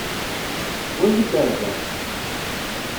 Wali-d ar da!